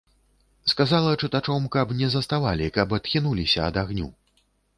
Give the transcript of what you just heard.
Сказала чытачом, каб не заставалі, каб адхінуліся ад агню.